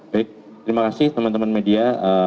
baik terima kasih teman teman media